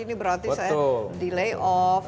ini berarti saya delay off